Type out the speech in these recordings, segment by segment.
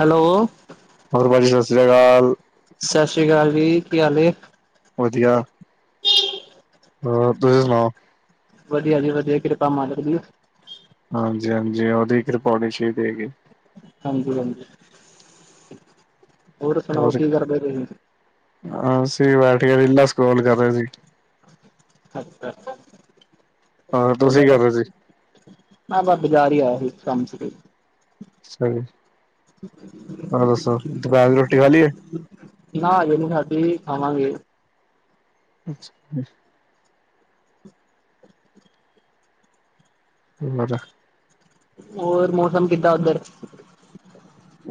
Hello ਅਗਰ ਭਾਅ ਜੀ ਸਤਿ ਸ਼੍ਰੀ ਅਕਾਲ। ਸਤਿ ਸ੍ਰੀ ਅਕਾਲ ਜੀ ਕੀ ਹਾਲ ਏ। ਵਧੀਆ ਹੋਰ ਤੁਸੀ ਸੁਣਾਓ? ਵਧੀਆ ਜੀ ਵਧੀਆ ਕਿਰਪਾ ਮਾਲਕ ਦੀ ਹਾਂਜੀ- ਹਾਂਜੀ ਉਹਦੀ ਕਿਰਪਾ ਹੋਣੀ ਚਾਹੀਦੀ ਹੈਗੀ। ਹਾਂਜੀ- ਹਾਂਜੀ ਹੋਰ ਸੁਣਾਓ ਕੀ ਕਰਦੇ ਪਏ ਸੀ। ਅਹ ਅਸੀਂ ਬੈਠ ਕੇ ਰੀਲਾ ਸਕੋਲ ਕਰ ਰਹੇ ਸੀ। ਅੱਛਾ ਹੋਰ [inaudible] ਤੁਸੀਂ ਕੀ ਕਰ ਰਹੇ ਸੀ ਮੈਂ ਬਸ ਬਾਜ਼ਾਰ ਹੀ ਆਇਆ ਸੀ ਕੰਮ ਸੀ ਕੋਈ ਸਹੀ ਹੋਰ ਦੱਸੋ ਦੁਪਹਿਰ ਦੀ ਰੋਟੀ ਖਾ ਲਈ ਹੈ ਨਾ ਹੈਗੀ ਜੀ ਸਾਡੀ ਆਵਾਂਗੇ। ਅੱਛਾ [inaudible] ਵਜਾ ਹੋਰ ਮੌਸਮ ਕਿੱਦਾਂ ਉੱਧਰ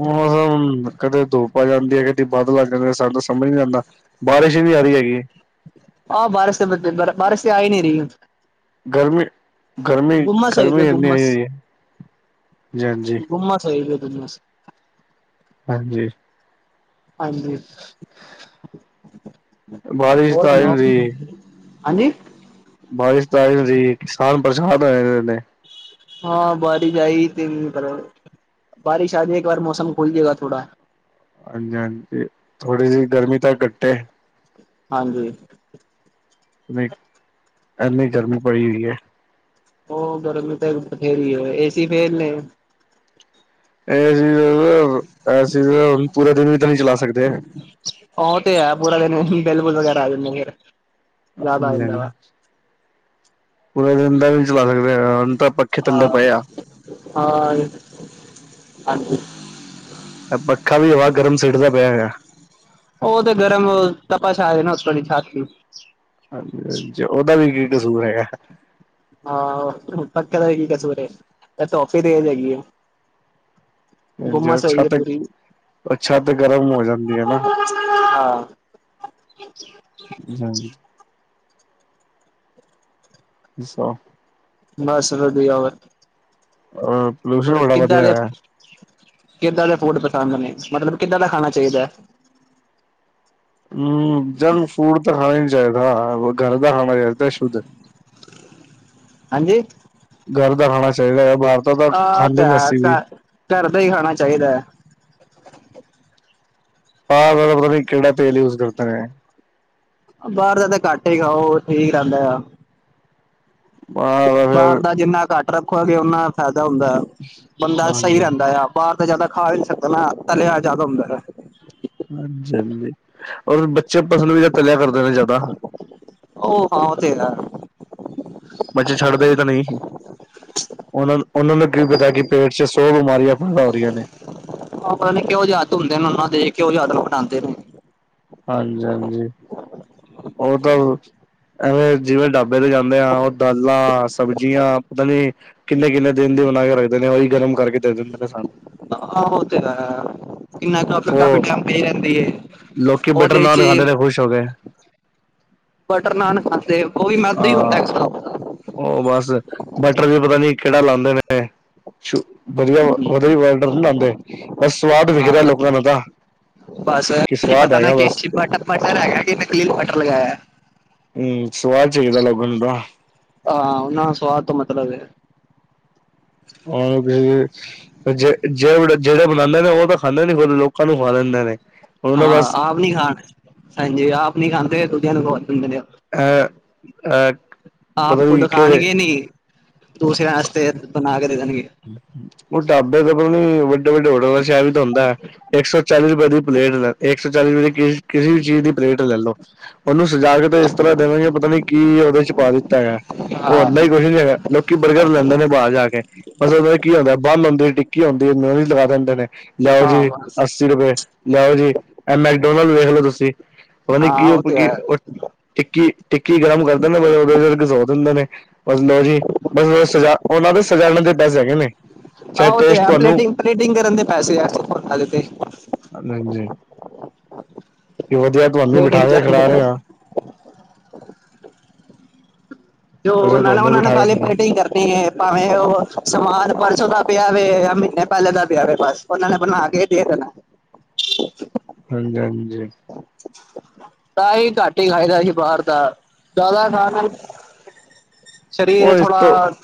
ਮੌਸਮ ਕਦੇ ਧੁੱਪ ਆ ਜਾਂਦੀ ਹੈ ਕਦੇ ਬਾਦਲ ਆ ਜਾਂਦੇ ਸਾਨੂੰ ਤਾਂ ਸਮਝ ਨੀ ਆਂਦਾ ਬਾਰਿਸ਼ ਵੀ ਆ ਰਹੀ ਹੈਗੀ। ਆਹ ਬਾਰਸ ਫਿਰ ਦਿਨ ਬਰ ਬਾਰਸ ਤੇ ਆਈ ਨਹੀਂ ਰਹੀ। ਗਰਮੀ ਗਰਮੀ- ਗੁੰਮਸ ਹੋਈ ਪਈ ਗਰਮੀ ਇੰਨੀ ਹੋ ਗੁੰਮਸ, ਹੋਈ ਹੈ ਜੀ ਹਾਂਜੀ। ਗੁੰਮਸ [inaudible] ਹਾਂਜੀ ਹਾਂਜੀ। ਬਾਰਿਸ਼ ਹੋਰ ਤਾਂ ਆ ਨਹੀਂ ਸੁਣਾਓ ਰਹੀ ਹਾਂਜੀ। ਬਾਰਿਸ਼ ਤਾਂ ਆਈ ਨਹੀਂ ਜੀ ਕਿਸਾਨ ਪ੍ਰੇਸ਼ਾਨ ਹੋਏ ਨੇ। ਹਾਂ ਬਾਰਿਸ਼ ਆਈ ਤੀਨ ਦਿਨ ਪਹਿਲਾ। ਬਾਰਿਸ਼ ਆਜੇ ਇੱਕ ਵਾਰ ਮੌਸਮ ਖੁਲ ਜੇ ਗਾ ਥੋੜਾ। ਹਾਂਜੀ ਹਾਂਜੀ ਥੋੜੀ ਜਿਹੀ ਗਰਮੀ ਤਾਂ ਘੱਟੇ। ਹਾਂਜੀ। ਇੰਨੀ ਗਰਮੀ ਪਈ ਹੋਈ ਹੈ। ਉਹ ਗਰਮੀ ਤਾਂ ਬਥੇਰੀ ਹੈ ਏਸੀ ਫੇਲ ਨੇ। ਇਹ ਚੀਜ਼ ਐ ਏ ਸੀ ਪੂਰਾ ਦਿਨ ਵੀ ਤਾਂ ਨਹੀਂ ਚਲਾ ਸਕਦੇ‌। ਉਹ ਤੇ ਹੈ ਪੂਰਾ ਦਿਨ ਉਹੀ ਬਿੱਲ ਬੁੱਲ ਵਗੈਰਾ ਆ ਜਾਦੇ ਨੇ ਯਾਰ। ਹਾਂਜੀ ਹਾਂਜੀ ਪੂਰਾ ਦਿਨ ਤਾਂ ਨਹੀਂ ਚਲਾ ਸਕਦੇ। ਹੁਣ ਤਾਂ ਪੱਖੇ ਥੱਲੇ ਹਾਂ ਪਏ ਆ। ਹਾਂ ਹਾਂਜੀ। ਪੱਖਾ ਵੀ ਹਵਾ ਗਰਮ ਸੁੱਟਦਾ ਪਿਆ ਹੈਗਾ। ਉਹ ਤੇ ਗਰਮ ਤਪਸ਼ ਹੈਗੀ ਨਾ ਉੱਤੋਂ ਦੀ ਛੱਤ ਦੀ। ਹਾਂਜੀ ਹਾਂਜੀ ਉਹਦਾ ਵੀ ਕੀ ਕਸੂਰ ਹੈਗਾ ਹਾਂ ਓ [unintelligible] ਸਵੇਰੇ ਤੇ ਧੁੱਪ ਵੀ ਤੇਜ਼ ਹੈਗੀ ਏ। ਗੁੰਮਸ ਹੋਈ ਏ ਪੂਰੀ। ਅੱਛਾ ਤੇ ਗਰਮ ਹੋ ਜਾਂਦੀ ਏ ਨਾ। ਹਾਂ ਹਾਂਜੀ। ਅੱਛਾ। ਬੱਸ ਵਧੀਆ। ਅ ਪੋਲਊਸ਼ਨ ਹੋਰ ਬੜਾ ਕਿੱਦਾਂ ਵਧੀਆ ਦੇ ਹੋਇਆ। ਕਿੱਦਾਂ ਦੇ ਫੂਡ ਪਸੰਦ ਨੇ ਮਤਲਬ ਕਿੱਦਾਂ ਦਾ ਖਾਣਾ ਚਾਹੀਦਾ। ਹੂੰ ਜੰਕ ਫੂਡ ਤਾਂ ਖਾਏ। [unintelligible] ਹਾਂ ਸ਼ੁੱਧ। ਹਾਂਜੀ। ਘਰ ਦਾ ਖਾਣਾ ਚਾਹੀਦਾ ਆ। ਓ ਤਾਂ ਹੈ ਘਰ ਦਾ ਹੀ ਖਾਣਾ ਚਾਹੀਦਾ ਆ। ਬਾਹਰ ਤਾਂ ਪਤਾ ਨੀ ਕਿਹੜਾ ਤੇਲ ਯੂਜ਼ ਕਰਦੇ ਨੇ। ਬਾਹਰ ਦਾ ਤਾ ਘੱਟ ਹੀ ਖਾਓ ਠੀਕ ਰਹਿੰਦਾ ਆ। ਹਾਂ ਬਾਹਰ ਫਿਰ ਦਾ ਜਿੰਨਾ ਘੱਟ ਰੱਖੋਗੇ ਉਨਾਂ ਫਾਇਦਾ। ਹੁੰਦਾ ਬੰਦਾ ਹਾਂਜੀ ਸਹੀ ਰਹਿੰਦਾ ਆ ਬਾਹਰ। ਜ਼ਿਆਦਾ ਖਾ ਵੀ ਨਹੀਂ ਸਕਦਾ ਨਾ ਤਲਿਆ ਜ਼ਿਆਦਾ ਹੁੰਦਾ। ਹਾਂਜੀ ਹਾਂਜੀ। ਬੱਚੇ ਪਸੰਦ ਵੀ ਤਲਿਆ ਕਰਦੇ ਨੇ ਜ਼ਿਆਦਾ। ਉਹ ਹਾਂ ਉਹ ਤੇ ਹੈ ਬੱਚੇ ਛੱਡਦੇ ਵੀ ਤਾਂ ਨੀ। ਉਹ ਉਹਨਾਂ ਨੂੰ ਕੀ ਪਤਾ ਕਿ ਪੇਟ ਚ ਸੌ ਬਿਮਾਰੀਆਂ ਪੈਦਾ ਹੋ ਰਹੀਆਂ ਨੇ। ਉਹ ਪਤਾ ਨਹੀਂ ਕਿਹੋ ਜਿਹੇ ਹੱਥ ਹੁੰਦੇ ਨੇ ਉਹਨਾਂ ਦੇ ਕਿਹੋ ਜਿਹੇ ਹੱਥ ਨਾਲ ਬਣਾਉਂਦੇ ਨੇ। ਹਾਂਜੀ ਹਾਂਜੀ ਉਹ ਤਾਂ। ਐਵੇਂ ਜਿਵੇਂ ਢਾਬੇ ਤੇ ਜਾਂਦੇ ਆ ਉਹ ਦਾਲਾਂ ਸਬਜ਼ੀਆਂ ਪਤਾ ਨੀ ਕਿੰਨੇ ਕਿੰਨੇ ਦਿਨ ਦੀ। ਬਣਾ ਕੇ ਰੱਖਦੇ ਨੇ ਉਹੀ ਗਰਮ ਕਰਕੇ ਦੇ ਦਿੰਦੇ ਨੇ ਸਾਨੂੰ। ਆਹੋ ਇਹ ਤਾਂ ਹੈ। ਕਿੰਨਾ ਕ ਕਾਫੀ ਉਹ ਟਾਈਮ ਪਈ ਰਹਿੰਦੀ ਏ ਲੋਕੀ ਬਟਰ ਉਹਦੇ ਚ। ਨਾਨ ਖਾਂਦੇ ਨੇ ਖੁਸ਼ ਹੋ ਕੇ ਬਟਰ ਨਾਨ ਖਾਂਦੇ ਹੋ ਉਹ ਵੀ ਮੈਦਾ ਹੀ ਹੁੰਦਾ ਇੱਕ ਹਾਂ ਹਿਸਾਬ ਨਾਲ । ਉਹ ਬਸ ਬਟਰ ਵੀ ਪਤਾ ਨੀ ਕਿਹੜਾ ਲਾਉਂਦੇ ਨੇ। ਵਧੀਆ ਵਧੀਆ ਬਟਰ ਨੀ ਲਾਉਂਦੇ ਬਸ ਸਵਾਦ ਵਿਖਦਾ ਹਾਂ ਲੋਕਾਂ ਨੂੰ ਤਾ। ਬਸ ਨਹੀਂ ਪਤਾ ਨਾ ਕਿ ਬ ਬਟਰ ਹੈਗਾ ਕਿ ਨਕਲੀ ਬਟਰ ਲਗਾਇਆ। ਹੂੰ ਸਵਾਦ ਚਾਹੀਦਾ ਲੋਕਾਂ ਨੂੰ ਤਾ। ਹਾਂ ਉਹਨਾਂ ਨੂੰ ਸਵਾਦ ਤੋਂ ਮਤਲਬ ਏ। ਉਹ ਤੇ ਜੇ-ਜੇ, ਜਿਹੜੇ ਬਣਾਉਂਦੇ ਨੇ ਉਹ ਤਾਂ ਖਾਂਦੇ ਨੀ, ਲੋਕਾਂ ਨੂੰ ਖਵਾ ਦੇਂਦੇ ਨੇ। ਉਹਨਾਂ ਹਾਂ। ਬਸ ਆਪ ਨੀ ਖਾਣ ਹਾਂਜੀ ਆਪ ਨੀ ਖਾਂਦੇ, ਦੂਜਿਆਂ ਨੂੰ ਖਵਾ ਦਿੰਦੇ। ਦਿੰਦੇ ਨੇ। ਐ ਆਪ ਖੁਦ ਖਾਣਗੇ ਨੀ, ਦੂਸਰਿਆ ਵਾਸਤੇ ਬਣਾ ਕੇ ਦੇ ਦੇਣਗੇ ਉਹ ਢਾਬੇ ਦਾ ਪਤਾ ਨੀ ਵੱਡੇ-ਵੱਡੇ ਹੋਟਲਾਂ'ਚ ਸ਼ਹਿਰ ਵੀ ਤਾਂ ਹੁੰਦਾ ਹੈ ਇੱਕ-ਸੌ, ਚਾਲੀ ਦੀ ਪਲੇਟ ਲੈ ਇੱਕ-ਸੌ ਚਾਲੀ ਰੁਪਏ ਦੀ, ਕਿਸੇ ਵੀ ਚੀਜ਼ ਦੀ ਪਲੇਟ ਲੈਲੋ ਉਹਨੂੰ ਸਜਾਕੇ ਤੇ ਇਸ ਤਰ੍ਹਾਂ ਦੇਵੇਂਗੇ ਪਤਾ ਨੀ ਕੀ, ਉਹਦੇ'ਚ ਪਾ ਦਿੱਤਾ ਹੈਗਾ। ਉਹ ਹਾਂ ਅੰਦਰ ਕੁਛ ਨੀ ਹੈਗਾ, ਲੋਕੀ ਬਰਗਰ ਲੈਂਦੇ ਨੇ ਬਾਹਰ ਜਾਕੇ। ਬਸ ਉ ਕੀ ਆ ਹੁੰਦਾ ਬੰਨ ਲਾਉਂਦੇ, ਟਿੱਕੀ ਹੁੰਦੀ ਬਸ ਲਗਾ ਦਿੰਦੇ ਨੇ। ਲਿਆਉ ਹਾਂ ਜੀ ਬਸ ਅੱਸੀ ਰੁਪਏ ਲਿਆਉ ਜੀ, ਐ, ਮੈਕਡੋਨਲਡ ਵੱਲ ਵੇਖਲੋ ਤੁਸੀਂ। ਪਤਾ ਨੀ, ਹਾਂ ਕੀ ਉਹ ਤੇ ਹੈ ਔਪਕੀ ਓ, ਟਿੱਕੀ ਟਿੱਕੀ ਗਰਮ ਕਰਦੇ ਨੇ, ਬਈ ਓਦੇ'ਚ ਘਸੋ ਦਿੰਦੇ ਨੇ ਬਸ ਲੋ ਜੀ ਬਸ ਸਜਾ ਓਨਾਂ ਦੇ ਸਜਾਲਣ ਦੇ ਪੈਸੇ, ਹੈਗੇ ਨੇ? ਹਾਂ, ਚਾਹੇ ਓ, ਤੇ, ਟੇਸਟ ਹੈ, ਤੁਹਾਨੂੰ ਪਲੇਟਿੰਗ-ਪਲੇਟਿੰਗ ਕਰਨ ਦੇ ਪੈਸੇ ਐ, ਸੁਪਰ ਐਦੇ ਤੇ। ਹਰ ਲੇਂਜੇ। ਕਿ ਵਧੀਐ, ਤੁਵਾਂਨੂੰ ਪਲੇਟਿੰਗ ਬਿਠਾਕੇ ਕਰਨ ਦੇ ਖਿਲਾਰੇ ਪੈਸੇ ਆ। ਜੋ ਵਧੀਆ ਓਨਾ ਨਾ, ਤੁਹਾਨੂੰ ਓਨਾਂ ਨੂੰ ਬਿਠਾ ਕੇ ਪੈਲੇ ਖਿਲਾ ਪਲੇਟਿੰਗ ਕਰਨੀ ਏ, ਭਾਵੇਂ ਓਹ ਸਮਾਨ ਪਰਸੋਂ ਦਾ ਪਿਆ ਵੇ, ਯਾ ਮਹੀਨੇ ਪੈਲੇ ਦਾ ਪਿਆਵੇ ਬਸ। ਓਹਨਾਂ ਨੇ ਬਣਾ ਕੇ, ਦੇ ਦੇਣੈ। [inaudible] ਹਾਂਜੀ-ਹਾਂਜੀ। ਤਾਂ ਈ ਘੱਟ ਈ ਖਾਇਦੈ ਅਸੀ ਬਾਹਰ ਦਾ, ਜਾਦਾ ਖਾਣ ਨਾਲ ਸ਼ਰੀਰ ਥੋੜਾ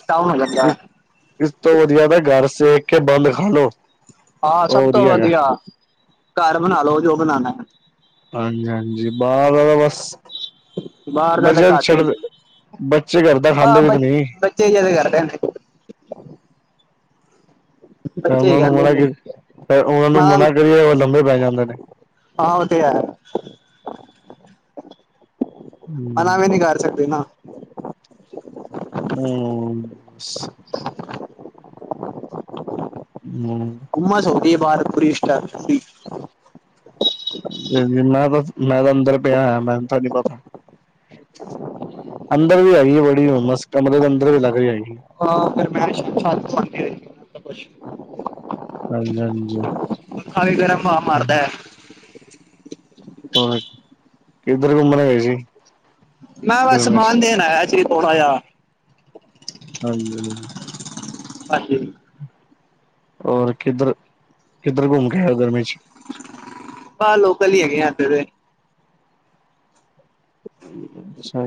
ਤਾ ਇਸ-ਇਸ ਤੋਂ ਵਧੀਆ ਦਾ, ਘਰ ਸੇਕ ਕੇ ਬੱਲ ਖਾਲੋ। ਹਾਂ, ਸਭ ਤੋਂ ਵਧੀਆ ਘਰ ਬਣਾ ਲੋ ਜੋ ਬਣਾਣੈ। ਹਾਂਜੀ- ਹਾਂਜੀ, ਬਾਹਰ ਦਾ ਤਾ ਬਸ ਬਾਹਰ ਦਾ ਤਾਂ ਬੱਚੇਆ ਤੇ ਘੱਟ ਹੀ ਛੱਡਦੇ, ਬੱਚੇ ਘਰ ਦਾ ਖਾਂਦੇ ਵੀ, ਤਾਂ, ਨੀ। ਕੈੰਦੇ। ਯਾਂ ਬੱਚੇ ਹੀ ਉਨਾਂ ਨੂੰ ਕਹਿੰਦੇ ਮਨਾ ਨੇ ਕੀ, ਫੇਰ ਓਹਨਾਂ ਨੂੰ ਮਾਂ ਮਨਾ ਕਰੀਏ, ਓ ਲੰਬੇ ਪੈ ਜਾਂਦੇ ਨੇ। ਹਾਂ, ਓ, ਤੇ, ਹੈ। ਅਨਾ ਵੀ ਹਮ ਨੀ, ਕਰ ਸਕਦੇ ਨਾ। ਹੂੰ। ਹੂੰ। ਇਹ ਬਾਰ ਕੁਰੀਸ਼ਟ ਐ। ਨਈਂ- ਨਈਂ, ਮੈਂ ਦਾਸ ਮੈਂ ਤਾਂ ਅੰਦਰ ਪਿਆ ਹੋਯਾ, ਮੈਨ ਤਾਂ ਨੀ ਪਤਾ। ਅੰਦਰ ਵੀ ਆਈਏ ਬੜੀ ਹੁਮਸ। ਕਮਰੇ ਦੇ ਅੰਦਰ ਵੀ, ਲਗ ਰਹੀ ਹੈਗੀ। ਅੱਛਾ ਛਾਤ ਸੁਣਕੇ ਤਪਸ਼, ਹਾਂਜੀ ਪੱਖਾ ਵੀ ਇੱਕ ਤਰ੍ਹਾਂ ਹਾਂਜੀ ਹਾ-ਹਾਰਦੈ। [inaudible] ਹੋਰ, ਕਿੱਧਰ ਘੁੰਮਣ ਗਏ ਸੀ? ਮੈਂ ਬਸ ਗਰਮੀਆਂ ਚ ਸਮਾਨ ਦੇਣ ਆਯਾ ਜੇ ਥੋੜਾ ਜਾ। ਹਾਂਜੀ ਹਾਂਜੀ। ਔਰ ਕਿੱਧਰ-ਕਿੱਧਰ ਘੁੰਮ ਕੇ ਆਏ ਓ, ਗਰਮੀ'ਚ? ਆ ਲੋਕਲ ਹੀ ਹੈਗੇ ਆ, ਹਜੇ ਤੇ। ਹੂੰ, ਅੱਛਾ।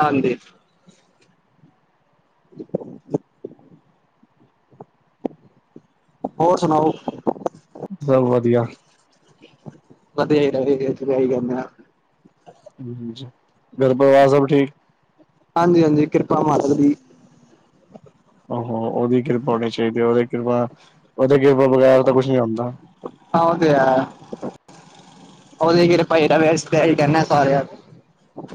ਹਾਂਜੀ [inaudible] ਹੋਰ, ਸੁਣਾਓ? ਸਭ ਵਧੀਆ ਵਧੀਆ [unintelligible] ਕਮ ਆ। ਹੁੰਦੀ, ਘਰ ਪਰਿਵਾਰ ਸਭ ਠੀਕ। ਹਾਂਜੀ ਹਾਂਜੀ, ਕਿਰਪਾ ਮਾਲਕ ਦੀ। ਆਹੋ ਓਹਦੀ ਕਿਰਪਾ ਹੋਣੀ ਚਾਹੀਦੀ ਐ, ਓਹਦੀ ਕਿਰਪਾ ਓਦੇ ਯੋਬੋ ਬਗੈਰ ਤਾਂ ਕੁਛ ਨੀ ਹੋਂਦਾ। ਔਦੀ ਕਿਰਪਾ ਈ ਹੈਗ ਬਈ ਅਸੀ ਤਾ ਐਹੀ ਕੈੰਦੇ ਸਾਰੇਆਂ ਨੂੰ।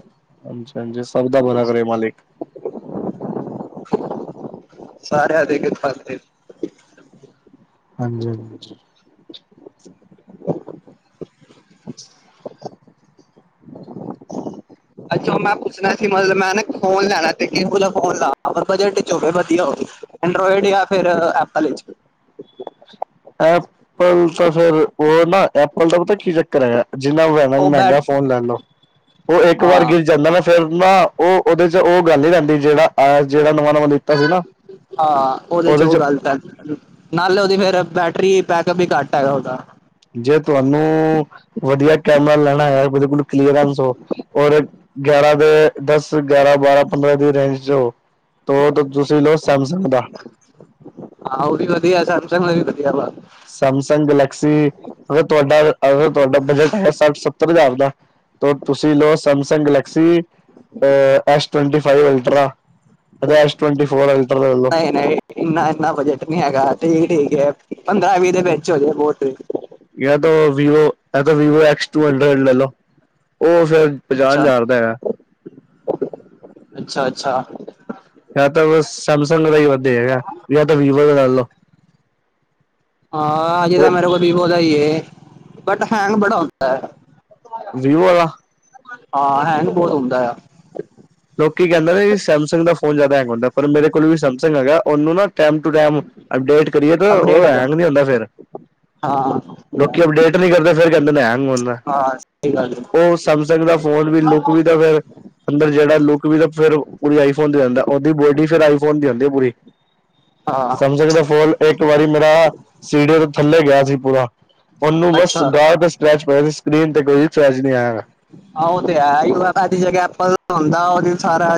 ਹਂਜੀ ਹਾਂਜੀ ਸਬਦਾ ਭਲਾ ਕਰੇ ਮਾਲਿਕ। ਸਾਰੇਆਂ ਤੇਈ ਕਿਰਪਾ ਕਰੇ। ਹਾਂਜੀ ਹਾਂਜੀ। [inaudible] ਅਈਔ ਮੈਂ ਪੁੱਛਣਾ ਸੀ ਮਤਲਬ ਮੈਂ ਨਾ ਇਕ ਫੋਨ ਲੈਣੈ ਤੇ ਕਿਹੋ ਜਾ ਫੋਨ ਲਾ ਬਜਟ ਚ ਹੋਵੇਂ ਵਧੀਆ ਹੋਵੇਂ। ਅੰਡਰੋਇਡ ਯਾ ਫਿਰ ਐਪਲ ਇਚ। ਐਪਲ ਤਾਂ ਫੇਰ ਓਹ ਨਾ ਐਪਲ ਦਾ ਪਤਾ ਕੀ ਚੱਕਰ ਹੈਗੈ। ਜਿੰਨਾ ਉ ਲੈਣਾ ਉਹ ਬੈਟ ਮੈੰਗਾ ਫੋਨ ਲੈ ਲੋ, ਓਹ ਇੱਕ ਵਾਰ ਹਾਂ ਗਿਰ ਜਾਂਦਾ ਨਾ ਫੇਰ ਨਾ ਉਹ ਉਹਦੇ ਚ ਉਹ ਗੱਲ ਨ ਰਹਿੰਦੀ ਜਿਹੜਾ ਅਹ ਜਿਹੜਾ ਨਵਾਂ ਨਵਾਂ ਲਿੱਤਾ ਸੀ ਨਾ ਹਾਂ ਉਹਦੇ ਚ ਉਹ ਗੱਲਤ ਹੈ ਨਾਲੇ ਉਹਦੀ ਫੇਿਰ ਬੈਠ ਰੀ ਪੈਕ ਵੀ ਘੱਟ ਹੈਗਾ ਹੋਗਾ ਜੇ ਤੁਹਾਨੂੰ ਵਧੀਆ ਕੈਮਰਾ ਲੈਣਾ ਹੈ ਉਹਦੇ ਕੋਲ ਕਲੀਅਰੈਂਸ ਹੋ ਔਰ ਗਿਆਰਾਂ ਦੇ ਦਸ ਗਿਆਰਾਂ ਬਾਰਾਂ ਪੰਦਰਾਂ ਦੀ ਰੇਂਜ ਚ ਹੋ ਤੋ ਦੂਸਰੀ ਲਓ ਸੈਮਸੰਗ ਦਾ ਵੀਿਆ ਸੈਮਸੰਗ ਗੈਲੈਕਸੀ ਅਗਰ ਤੁਹਾਡਾ ਅਗ ਤੁਹਾਡਾ ਬਜਟ ਹੈ ਸੱਠ ਸੱਤਰ ਹਜ਼ਾਰ ਦਾ ਤੁਸੀਂ ਲਓ ਸੈਮਸੰਗ ਗਲੈਕਸੀ ਅਹ S twenty five ultra S ਟਵਟੀ ਫੋਰ ਅਲਟ ਵੋ ਨਹੀਂ ਨਹੀਂ ਇੰਨਾ ਇੰਨਾ ਬਜਟ ਨੀ ਠੀਕ- ਠੀਕ ਹੈ, ਪੰਦਰਾਂ-ਵੀਹ ਦੇ ਵਿੱਚ ਹੋਜੇ ਬਹੁਤ ਹੈ। Vivo- Vivo, X two, hundred ਲੈਲੋ। ਉਹ ਫੇਿਰ ਪੰਜਾਂ ਅੱਛਾ ਦਾ ਹਾਜ਼ਰ ਹੈ ਅੱਛਾ ਅੱਛਾ ਸੈਮਸੰਗ ਦਾ ਹੀ ਵਧੀਆ ਹੈਗਾ ਜਾਂ ਤਾਂ ਵੀਵੋ ਦਾ ਲੈ ਲਓ ਹਾਂ ਅਜੇ ਤਾਂ ਉਹ ਮੇਰੇ ਕੋਲ ਵੀਵੋ ਦਾ ਹੀ ਹੈ ਬਟ ਹੈਂਗ ਬੜਾ ਹੁੰਦਾ ਹੈ ਵਿਵੋ ਵਾਲਾ ਹਾਂ ਹੈਗ ਬਹੁਤ ਹੁੰਦਾ ਆ ਲੋਕੀ ਕਹਿੰਦੇ ਨਾ ਸੈਮਸਗ ਦਾ ਫੋਨ ਜ਼ਿਆਦਾ ਹੈਗਾ ਹੁੰਦਾ ਪਰ ਮੇਰੇ ਕੋਲ ਵੀ ਸੈਮਸੰਗ ਹੈਗਾ ਉਹਨੂੰ ਨਾ ਟੈਮ ਟੂ ਟੈਮ ਅਪਡੇਟ ਕਰੀਏ ਤਾਂ ਉਹ ਅਪਡੇਟ ਕਰ ਹੈਂਗ ਨ ਹੁੰਦਾ ਫਿਰ ਹਾਂ ਲੋਕੀ ਅਪਡੇਟ ਨਹੀਂ ਕਰਦੇ ਫਿਰ ਕਹਿੰਦੇ ਨੇ ਹੈ ਹੈਂਗ ਹੁੰਦਾ ਹਾਂ ਸਹੀ ਗੱਲ ਹੈ। ਉਹ ਸੈਮਸੰਗ ਦਾ ਫੋਨ ਵੀ ਲੁਕ ਵੀ ਤਾਂ ਫਿਰ ਅੰਦਰ ਜਿਹੜਾ ਫਰ ਪੂਰੀ ਆਈਫੋਨ ਦੀ ਜਾਂਦਾ ਉਹਦੀ ਬੋਡੀ ਫਿਰ ਆਈਫੋਨ ਦੀ ਹੁੰਦੀ ਹੈ ਪੂਰੀ ਹਾਂ ਸਮਝਦਾ ਫੋਲ ਇੱਕ ਵਾਰੀ ਮੇਰਾ ਸੀੜੇ ਤੋਂ ਥੱਲੇ ਗਿਆ ਸੀ ਪੂਰਾ ਉਹਨੂੰ ਬਸ ਅੱਛਾ ਗਾਹ ਤੇ ਸਕ੍ਰੈਚ ਪੈਸੀ ਸਕਰੀਨ ਤੇ ਕੋਈ ਸਕੈਚ ਨਹੀਂ ਆਇਆਗਾ ਹਾਂ ਤੇ ਸਾਜੀ ਜ ਅੱਪਲ ਹੁੰਦਾ ਉਹਦੇਨ ਸਾਰਾ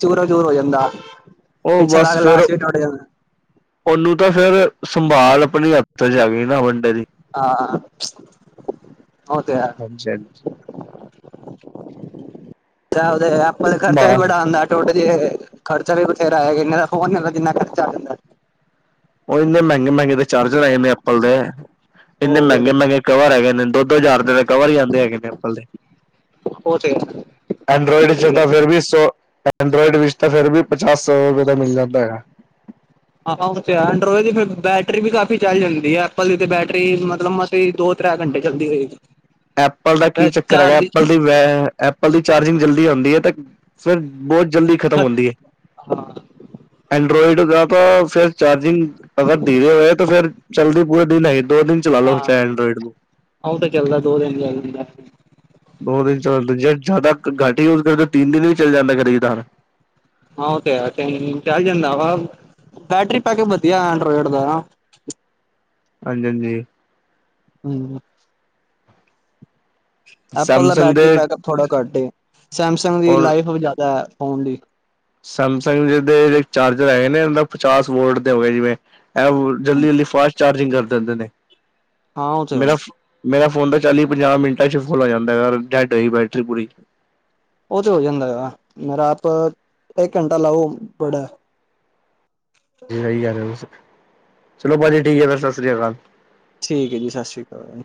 ਚੂਰੋ ਚੂਰ ਹੋ ਜਾਂਦਾ ਉਹ ਪਿਛਲਾ ਬਸ ਫੇਰ ਗਲਾਸ ਵੀ ਟੁੱਟ ਜਾਂਦਾ ਉਹਨੂੰ ਤਾਂ ਫੇਰ ਸੰਭਾਲ ਆਪਣੀ ਹੱਥ ਚੇ ਹੁਣ ਹਾਂ ਉਹ ਤੇ ਹੈ ਹਾਂਜੀ ਹਾਂਜੀ ਉਹਦੇ ਆਪਾਂ ਦਾ ਖਰਚਾ ਵੀ ਬੜਾ ਹੁੰਦਾ ਟੋਡੇ ਖਰਚਾ ਵੀ ਬਥੇਰਾ ਹੈਗਾ ਦਾ ਫੋਨਦਾ ਕਿੰਨਾ ਖਰਚਾ ਆ ਜਾਂਦਾ ਉਹ ਇੰਨੇ ਮਹਿੰਗੇ ਮਹਿੰਗੇ ਦੇ ਚਾਰਜਰ ਆਏ ਨੇ ਐਪਲ ਦੇ ਇੰਨੇ ਮਹਿੰਗੇ ਉਹ ਮਹਿੰਗੇ ਕਵਰ ਹੈਗੇ ਨੇ ਦੋ ਦੋ ਹਜ਼ਾਰ ਰੁਪਏ ਦਾ ਕਵਰ ਹੀ ਆਉਂਦੇ ਹੈਗੇ ਅੱਪਲ ਉਹ ਤੇ ਹੈ ਉਹ ਐਂਡਰਾੋਇਡ ਤੇ ਚ ਸਹੀ ਤਾਂ ਗੱਲ ਫਿਰ ਵੀ ਸੋ ਐਂਡਰੋਇਡ ਵਿੱਚ ਤਾਂ ਫੇਿਰ ਵੀ ਪਚਾਸ ਸੌ ਰੁਪਏ ਦਾ ਮਿਲ ਜਾਂਦਾ ਹੈਗਾ ਆਹੋ ਤੇ ਐਡਰੋਏ ਦੀ ਫ ਬੈਟਰੀ ਵੀ ਕਾਫ਼ੀ ਚੱਲ ਜਾਂਦੀ ਹੈ ਐਪਲ ਦੀ ਤੇ ਬੈਟਰੀ ਮਤਲਬ ਮਸੀ ਦੋ ਤੈ ਘੰਟੇ ਚਲਦੀ ਰਹੇਗੀ ਐਪਲ ਦਾ ਕੀ ਚੱਕਰ ਹੈਗਾ ਐਪਲ ਦੀ [unintelligible] ਐਪਲ ਦੀ ਚਾਰਜਿੰਗ ਜਲਦੀ ਹੁੰਦੀ ਏ ਤੇ ਫਿਰ ਬਹੁਤ, ਜਲਦੀ ਖਤਮ ਹਾਂ ਹੁੰਦੀ ਏ ਐਂਡਰਾੋਇਡ ਦਾ ਤਾਂ, ਫਿਰ ਚਾਰਜਿੰਗ ਅਗਰ ਧੀਰੇ ਹੋਏ ਤੇ ਫਿਰ ਚੱਲਦੀ ਪੂਰੇ ਦਿਨ ਹੈਗੀ ਦੋ ਦਿਨ ਚਲਾ ਲੋ ਹਾਂ ਚਾਹੇ ਅੰਦਰੋਇਡ ਤੇ। [unintelligible] ਦੋ ਦਿਨ ਚੱਲਦੇ ਜੇ ਜਾਦਾ ਘੱਟ ਯੂਜ ਕਰਦੇ ਤਿੰਨ ਦਿਨ ਵੀ ਚੱਲ ਜਾਂਦਾ ਕਦੀ ਕਦਾਰ। ਹਾਂ ਓਹ ਤੇ ਹੈ ਚਲ ਜਾਂਦਾ ਵਾ। ਬੈਟਰੀ ਬੈਕਅਪ ਵਧੀਆ ਐਂਡਰੋਇਡ ਦਾ ਹੈਨਾ। ਹਾਂਜੀ-ਹਾਂਜੀ। [unintelligible] ਐਪਲ ਦਾ ਸੈਮਸੰਗ ਬੈਟਰੀ ਦੇ ਬੈਕਅਪ ਥੋੜ੍ਹਾ ਘੱਟ ਏ ਸੈਮਸੰਗ ਦੀ ਔਰ ਲਾਈਫ ਜ਼ਿਆਦਾ ਹੈ। [unintelligible] ਸੈਮਸੰਗ ਦੇ ਜੇੜੇ ਚਾਰਜਰ ਹੈਗੇ ਨੇ ਇਹ ਦਾ ਪਚਾਸ ਵੋਲਟ ਦੇ ਹੋਗੇ ਜਿਵੇਂ। ਇਹ ਵੋਲਟ ਜਲਦੀ ਜਲਦੀ ਫਾਸਟ ਚਾਰਜਿੰਗ ਕਰ ਦਿੰਦੇ ਨੇ ਹਾਂ ਉਹ ਤੇ ਹੈ ਮੇਰਾ ਮੇਰਾ। ਫੋਨ ਤਾਂ ਚਾਲੀ ਪੰਜਾਹ ਮਿੰਟਾਂ 'ਚ ਫੁਲ ਹੋ ਜਾਂਦਾ ਹੈਗਾ ਡੈੱਡ ਹੋਈ ਬੈਟਰੀ ਪੂਰੀ। ਉਹ ਤੇ ਹੋ ਜਾਂਦਾ ਆ ਮੇਰਾ ਆਪ ਇੱਕ ਘੰਟਾ ਲਾਓ ਬੜਾ। ਨਹੀਂ ਯਾਰ ਚਲੋ ਪਾ ਜੀ ਠੀਕ ਹੈ ਫੇਰ ਸਤਿ ਸ੍ਰੀ ਅਕਾਲ। ਠੀਕ ਹੈ ਜੀ ਸਤਿ ਸ੍ਰੀ ਅਕਾਲ।